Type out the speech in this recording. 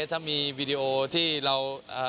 ถ้ามีวีดีโอที่เรา